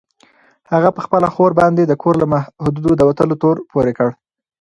هغه په خپله خور باندې د کور له حدودو د وتلو تور پورې کړ.